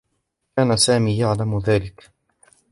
كان سامي يعلم ذلك.